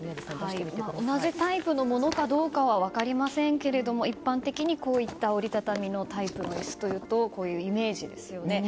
同じタイプのものかどうかは分かりませんが、一般的にこういった折り畳みのタイプの椅子というとこういうイメージですよね。